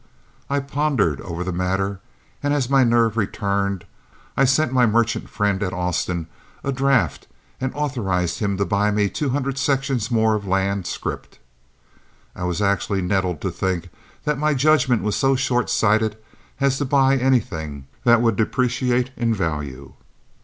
I pondered over the matter, and as my nerve returned I sent my merchant friend at Austin a draft and authorized him to buy me two hundred sections more of land scrip. I was actually nettled to think that my judgment was so short sighted as to buy anything that would depreciate in value.